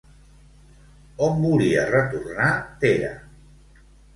On volia retornar Tèrah?